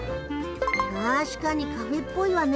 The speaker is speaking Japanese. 確かにカフェっぽいわね。